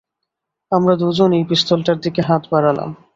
আমরা দুজনই পিস্তলটার দিকে হাত বাড়ালাম।